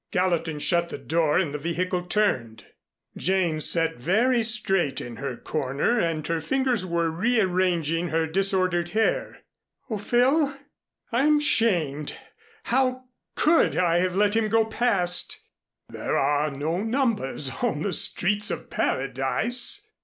Gallatin shut the door and the vehicle turned. Jane sat very straight in her corner and her fingers were rearranging her disordered hair. "Oh, Phil, I'm shamed. How could I have let him go past " "There are no numbers on the streets of Paradise."